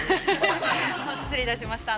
◆失礼いたしました。